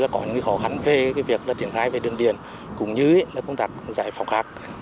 có những khó khăn về việc triển khai về đường điện cũng như công tác giải phóng khác